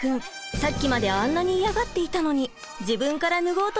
さっきまであんなに嫌がっていたのに自分から脱ごうとしています。